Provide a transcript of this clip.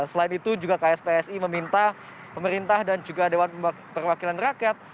selain itu juga kspsi meminta pemerintah dan juga dewan perwakilan rakyat